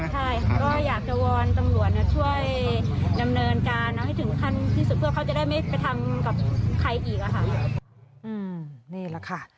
ใช่ก็อยากจะวอนตำรวจช่วยดำเนินการเอาให้ถึงขั้นที่สุดเพื่อเขาจะได้ไม่ไปทำกับใครอีกอะค่ะนี่แหละค่ะ